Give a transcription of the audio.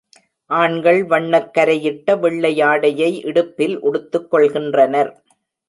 ஆண்கள் வண்ணக் கரையிட்ட வெள்ளாடையை இடுப்பில் உடுத்துக் கொள்கின்றனர்.